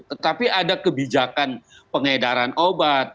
tetapi ada kebijakan pengedaran obat